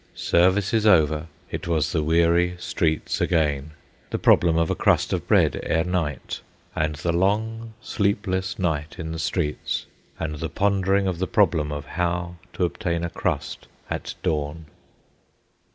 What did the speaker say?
Services over, it was the weary streets again, the problem of a crust of bread ere night, and the long sleepless night in the streets, and the pondering of the problem of how to obtain a crust at dawn.